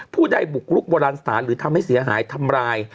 ผู้ใดบุกลุกโบราณสถานหรือทำให้เสียหายทำร้าย